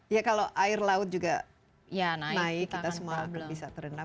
ya kalau air laut juga naik kita semua belum bisa terendam